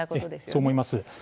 そう思います。